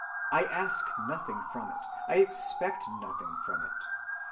I ask nothing from it, I expect nothing from it.